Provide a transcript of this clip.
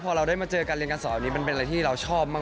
พอเราได้มาเจอการเรียนการสอนอันนี้มันเป็นอะไรที่เราชอบมาก